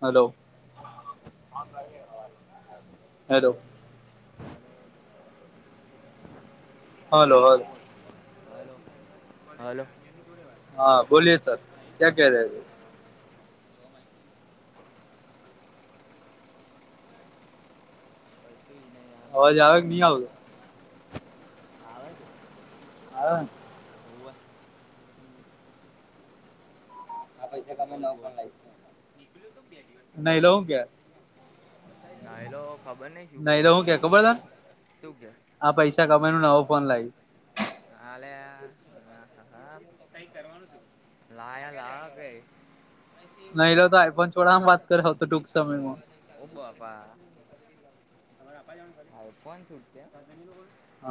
Hello, તો [unintelligible] hello hello બોલો, બોલ હલો બોલ હલો હલો હા, બોલીયે સર ક્યાં કેહ રેહે હે જોવા મા [unintelligible] કસું જ નહી આ બસ અવાજ આવે કે સ્ટેન્ડ નહી આવતો બેઠા, આવે છે. [unintelligible] હોવે આ પૈસા તમે બોલ નવ બોલ ફોન લાવીશ નીકુલ્યોતો બે દિવસ થી, નહી લો હું કે ના એલો ખબર નહીં શું કે નહી લો હું ખબર તને શું કેસ, આ પૈસા કમાય ન નવો ફોન લાઇ, [unintelligible] નહી લો તો આઇ ફોન છોડાવાનુ વાત કર તો ટૂંક સમયમાં ઓ બોપા હ આઇ ફોન છૂટશે એમ હ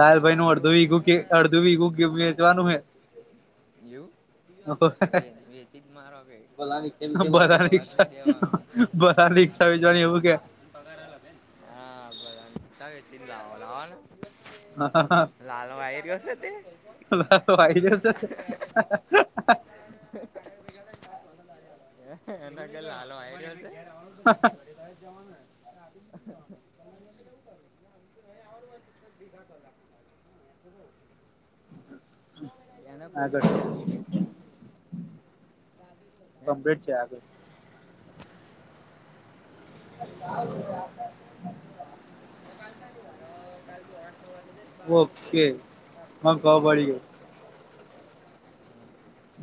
લાલ ભાઈ નું હારું ન અડધું ઈગું કે અડધું એગું કે ભેજવાનું હે [inaudible] એવું વેચી જ મારો હવે, કશું રવાજ નઈ દેવાનું [unintelligible] રીક્ષા વેચવાની એવું કે, પગાર અલગ [unintelligible] લાલ આયરયો સે તે [unintelligible] [unintelligible] એન કે લાલો આઇ રીયો સે છી ગાડી લઈ જવા ને [unintelligible] [unintelligible] એના આગળ કોલી રાધે જો હે કમ્પ્લીટ [unintelligible] છે આગળ [unintelligible] કાલ [unintelligible] કાલ શનિવાર આઠ નવ વાગે જ ઇશ બારે બ સુ [unintelligible] હે મળળીએ,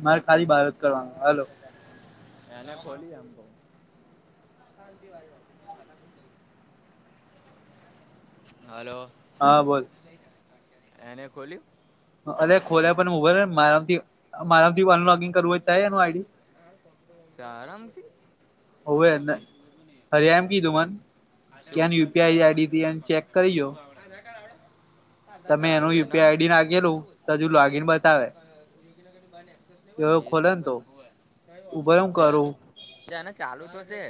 મારે ખાલી બાર જ કરવાનું હાલો એને ખોલી એમ કવ [unintelligible] હાલો હા બોલ [inaudible] એને ખોલ્યું? અ ખોલ્યા પણ ઉભાઈને મારામથી, આઈડી [unintelligible] આ ર મસી હોવે હર એને કીધુ મને ચેક કરી જો [unintelligible] તમે એનું તારું એ નામ યુપીઆઈ આઈડી નાખેલું તો હજુ લોગીન બતાવે એવ ખોલે ને તો ઉભો રે હું કરું [unintelligible] [unintelligible] ને ચાલુ તો છે,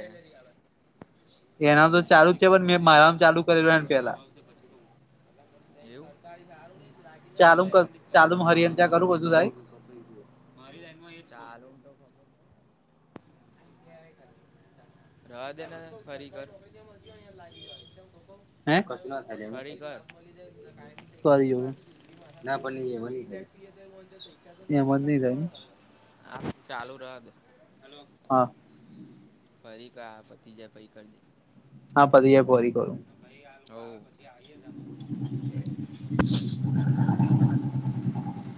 એના તો અહી એક ચાલુ જ છે પણ મેં જગ્યાજ મારામાં ચાલુ બે કરેલું એન દિવસમાં જવાબ પેલા આવશે પછી કવ એ સરકારી સારું નહિ લાગે એવુ ચાલુમ ચાલુમ હરિયનચ કરું બજું સાઈ મારી લાઈનમાં એ ચાલ તો ખબર છે. [unintelligible] રહેવાડેને ફરી કરું [unintelligible] લાગી જય લોકો. હે કશું ના [unintelligible] થાય કરી જોવે ના પણ ફરી કર એમ જ નહી થાય હા ચાલુ રવા દે હા ફરી પા આ પતિ જાય પછી કરજે હા પતિજ પોરી કોું ભાઈ આ પછી આઈએે જમે [inaudible]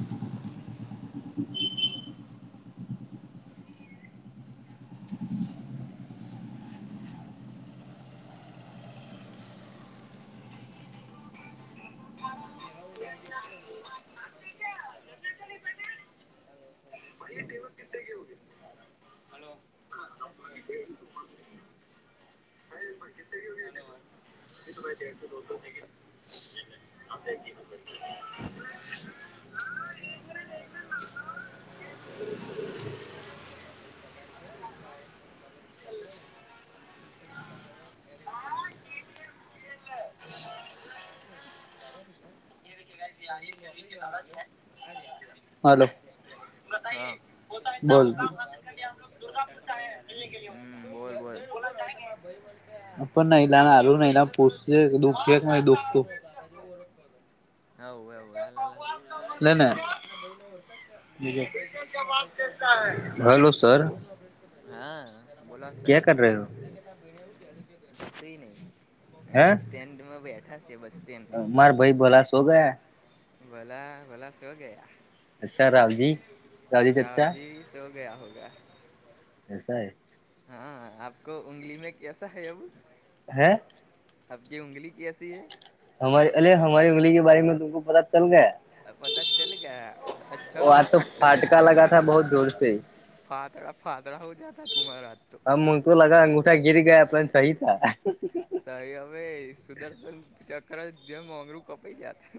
હ [inaudible] પેહલા હું [inaudible] હલો હલો એતો ટેક્સ દોડશો વધી ગયો એ અકી તાલી માપવાનો ભ પાર દ પ [unintelligible] ધ ચારો ત્યારે એવું બોલો કે ન હ નોકરી જવાનીકયો હા હલો [unintelligible] ત્યારે બોલ તો બધા ગયા હમ બોલ બોલ પણ નૈલા હારું પરોધ નૈલા પૂછશે દિકસાર દુઃખ છે કે નહી દુઃખ સમમોદ તું હવું એવું હ લ લેને રીતે આ ભ ન ઓ ભય થાયાઈ્યા ઉભો ર [unintelligible] હા બોલો સર નહી અહી બસ સ્ટેન્ડ માં બેઠા છે બસ સ્ટેન્ડ માર ભાઈ ભોલા શો ગયા ભોલા ભોલા સો ગયા રાાવજી સો ગયા હોગા એસ હૈ હા આપકો ઉઊગલી મે કસા હૈ અબ હે આપકી ઉઊગલી કસી હૈ આલિયા હમારી ઉંગલી કે બારે મેં આપકો પાતા ચલ ગયા પતા ચલ ગયા અચ્છા ઉ કટ લેને ચલી રઠઈક ફાતડા ફાતડા હો જતા તુંમારા આજ તો હા મુઝકો લગા અંગુઠા ગિરી ગાય પણસહી થા સાહી હવે સુદર્શન ચક્ર જ જે ઊંગરુ કપાઈ જાયત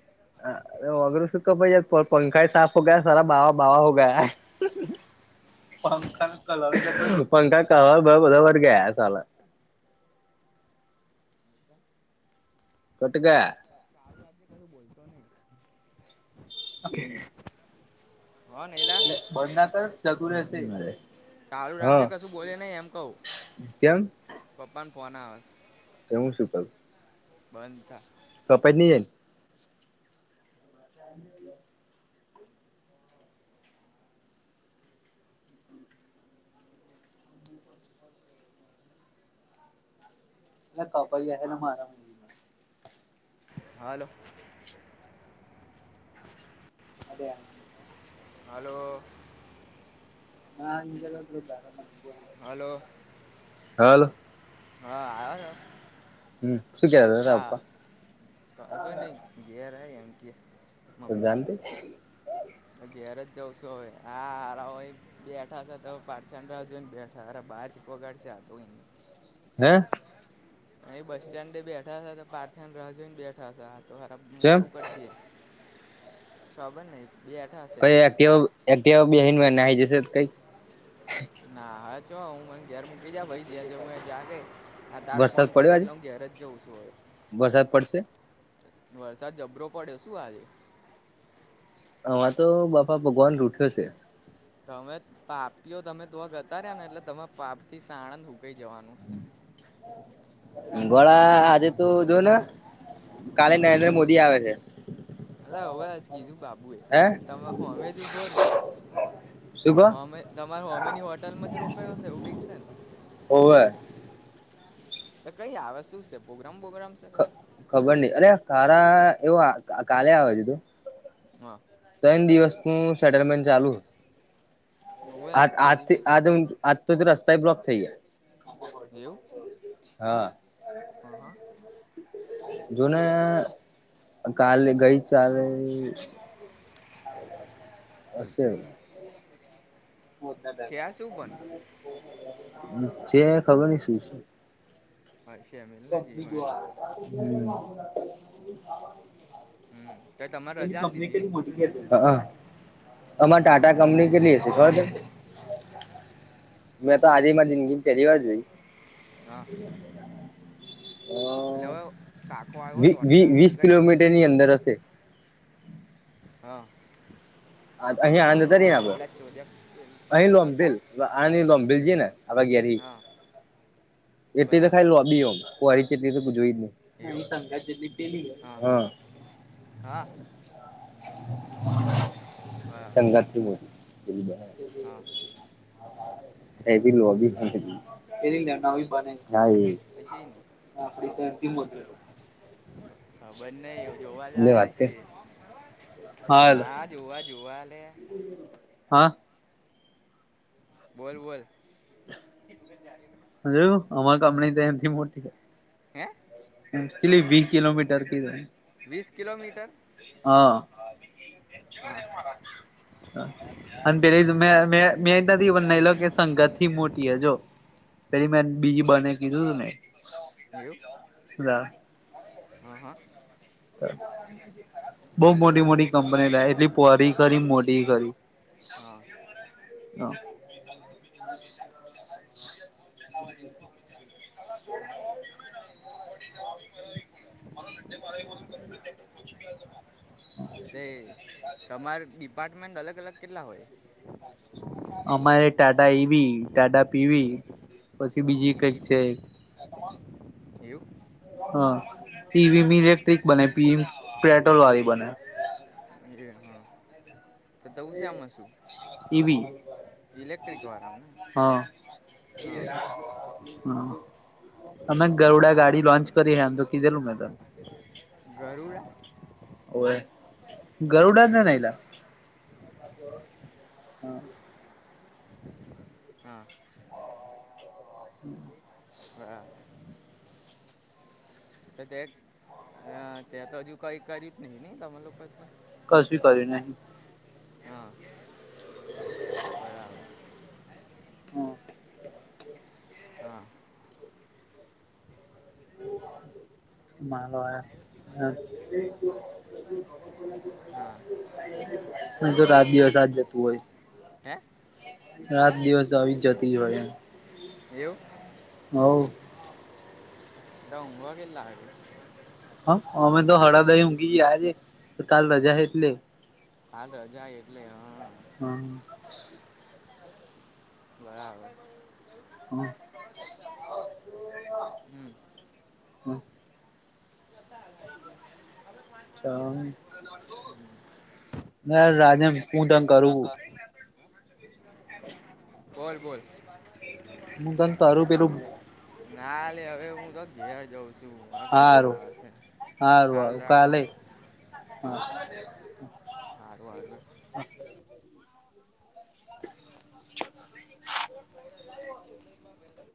હ અગર સુ ભાઈ પંખા સાફ હો ગયા સારા બાવા બાવા હો ગયા અલ્યા પંખા ક પપ્પાનો ફોન પંખા ક બ આવ્યો બધા વર ગયા સલા ચાલુ ઘટકા ચાર બાબથી કશું બોલતો નહી [unintelligible] નૈલા એટલે બં ના તો જતુ રહેશે મરે. ચાલુ રાખજે કશું બોલે નહીિ એમ કવું કેમ પપ્પાને ફોન આવે. એું શીપલ. બંધ થ. તો પ ન એન. ચા. ના કાપાઈ હને મારા. હ હાલલો. અ. હલો. [unintelligible] હલો હાલો હા આયા છ. હમ શું કેતા તારા તા પપ્પા કશું નઇ ઘેર હઇ એમ કે. ત મમ્મી જાની તું. ઘેર જ જઉં છું હવે આ હરાઓએ બેઠા છે તો પાચ છ ની રાહ જોઈને બેઠા હારા બાજ. વગાડ છે આતો ગઈ. હે [inaudible] અહી બસ સ્ટેન્ડ એ બેઠા છે તો પાર્થન ની રાહ જોઈને બેઠા છ હાલ. તો હારા કેમ મોડું કરશે ખબર નઇસ. કઈ એક કેવ એક કેવ બેહિનવે નાઇ જસે ત કઈ. ના હા ચો હું મને ઘેર મૂકી જા ભઈ ત્યા જવું હોય ત્યાં જે. આ તાર ફોન વરસાદ પતે પડ્યો આજે એટલે હું ઘેર જ જઉં છું અવે. વરસાદ પડશે વરસાદ જબરો પડ્યો શું આજે. આમાં તો બાપા ભગવાન રૂઠ્યો છે. તમેત પાપીઓ તમે તો ગતાર્યા ને એટલે તમે પાપ થી સાણંદ હુકાઈ જવાનું સે ગોળા આદિત. તો જો ને કાલે નરેન્દ્ર મોદી આવે છે. અલા હવેજ કીધું બાબુ એ હે તમે હોમે જ ઉભો નઇ. શું કો હમે તમાર હોમેની હોટલમાં જ રોકાયા હસે એવું કંઇક છે ન. ઓવે. તો કઈ આવે શું સે પોગ્રામ બોગ્રામ છે કે સુ. ખબર નઈ અરે ખારા એવો આ કા કાલે આવે છે તું. [unintelligible] તન દિવસનું સેટલમેન્ટ ચાલુ. હવે આત આત થી જયદીપભાઈ આજમ આજ આજથી તો રસ્તાય બ્લોક થઈ ગયા. એવું. હા. હા હા. જોને કાલે ગઈ ચાલે. હશે [inaudible] છે આ શું બન? છે ખબર નઈ શું છે. હા છે મે. કંપની જો આ હમ તો [inaudible] તમારે પેલી રજા આલી કંપની દીધી ને કેટલી મોટી કે અ અ અમા હમ ટાટા કંપની કેલી. [unintelligible] મેં તો આજે માં જિંદગીમ પેલી વાર જોય. હા. [inaudible] અ એટલે હવે કાકો આવ્યો વી વી લોડા વીસ હરગાઈશ નહીં કિલોમીટરની અંદર હશે હા. આત અહી આંધ તરી આમ એટલે ચોદ્યા પેલપા અહી ગયો લોમભેલ હતા આની લોમભેલ જી ને આપણા ઘેરહિ હા એટી તો બરાબર ખાઈ લોબીઓમાં પોહરી જ કેટલી તો જોઈ જ એવું નહી હા [inaudible] હા બરાબર સંંગાતથી મો [inaudible] હા એ બી લોબી પેલી લે નવી બને એ હા એ પચિની હું આપડી તો એનથી મોટી કરવા ખબર નઈ હ જોવા જ લે આયા વાત કર છી હાલ હા જોવા જ જોવાલે હા બોલ બોલ હ અમા કામ ન એમ મોટી હે એચુલી વી કલોમીટર ક વીસ કિલોમીટર હા હા અને પેલી મે મે મેં નથી બના લો કે સંગત થી મોટી હ જો પેલી મેં બીજી બંને કીધું તું ને એવું ના હા હા [inaudible] બહ મોટી મોટી કંપની થાય એટલી પરી ખરી મોટી ખરી હા હ [inaudible] [inaudible] [inaudible] ત્યારેંગસ [inaudible] તે તમાર ડિપાર્ટમેન્ટ અલગ અલગ કેટલા હોય અમારે ટાટા એવી ટાટા પીવી પછી બીજી કઈક છે પીવીપી એવું હા પીવીમ લેક્ટિક બને પીવીમ પેટ્રોલ વાી બને એ હા તો દુંસેમાં શું ઈવી ઇલેક્ટ્રિક વારામને હા હા અમે હા ગરડા ગાડી લોન્ચ કરી હ એમ તો કીધેલું મેં તને ગરુડા ઓવે હા ગરુડા જ ને ન એલા હા હા હા તો તે ત તો હજુ કઈ કર્યું જ નહી નહી તમામે લોકો તો કશુંી કર્યું નહી હા બરાબર હમ હા છે કોઈ બીચ હા મેં દૂતરી ધોની દેના હ તો રાત દિવસ આજ જતું હોય હે રાત દિવસ આવી જતી હોાઈ એવું. હ. ડઉંગવા ગલા હ [unintelligible] હા અમે તો હડાદહી ઊંઘી જ આજે, કાલ રજા એટલે. હાલ રજા એટલે હા. બરાબર. હમ. િવસા [inaudible] યાર રાજન હું તને રાજા કરું ત [unintelligible] બોલ બોલ. હું તને તારું પેલું ના હવે હું તો ઘેર જઉં છું ફ હારું નાવાસે, હારું કાલ રાખી દને હ. એ [inaudible] આર આર [unintelligible] બ [inaudible] એવ [unintelligible]